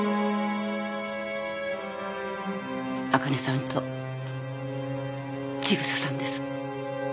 あかねさんと千草さんです。